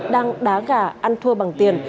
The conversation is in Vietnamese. đang đá gà ăn thua bằng tiền